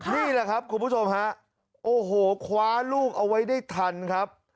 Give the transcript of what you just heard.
นี่แหละครับคุณผู้ชมฮะโอ้โหคว้าลูกเอาไว้ได้ทันครับ